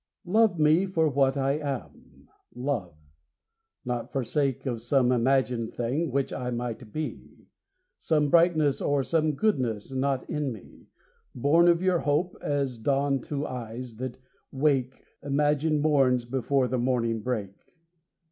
Love me for what I am, Love. Not for sake Of some imagined thing which I might be, Some brightness or some goodness not in me, Born of your hope, as dawn to eyes that wake Imagined morns before the morning break.